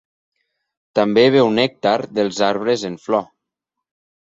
També beu nèctar dels arbres en flor.